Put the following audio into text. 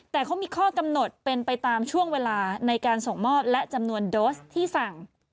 แต่เขามีข้อกำหนดเป็นไปตามช่วงเวลาในการส่งมอบและจำนวนโดสที่สั่ง